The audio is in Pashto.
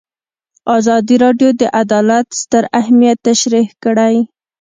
ازادي راډیو د عدالت ستر اهميت تشریح کړی.